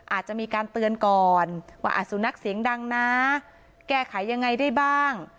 อาจจะมีการเตือนก่อนว่าสุนัขเสียงดังนะแก้ไขยังไงได้บ้าง